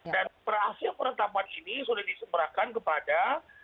dan hasil perhentapan ini sudah disemberahkan kepada